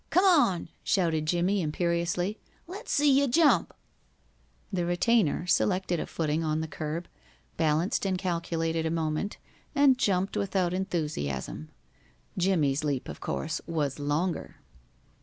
"Come on," shouted Jimmie, imperiously. "Let's see you jump." The retainer selected a footing on the curb, balanced and calculated a moment, and jumped without enthusiasm. Jimmie's leap of course was longer.